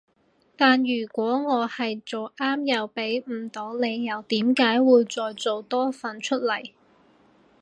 但如果我係做啱又畀唔到理由點解會再做多份出嚟